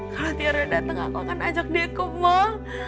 kalau tiara datang aku akan ajak dia ke mall